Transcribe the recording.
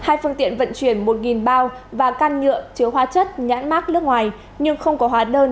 hai phương tiện vận chuyển một bao và nhanh chóng bao và can nhựa chứa hóa chất nhãn mác nước ngoài rằng không có hóa nơn